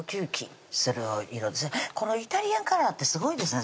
このイタリアンカラーってすごいですね